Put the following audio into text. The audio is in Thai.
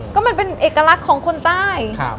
ก็มันเป็นเอกลักษณ์ของคนใต้